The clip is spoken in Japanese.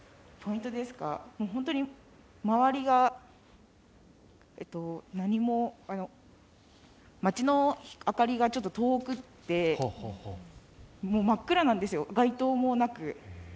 本当に周りが何も、街の明かりがちょっと遠くて真っ暗なんですよ、街灯もなく。